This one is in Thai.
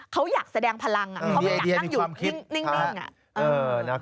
เขาอยากแสดงพลังเขาไม่อยากนั่งอยู่นิ่ง